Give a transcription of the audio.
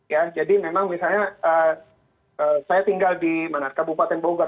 ya jadi memang misalnya saya tinggal di kabupaten bogor